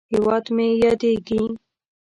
هېواد مې یادیږې!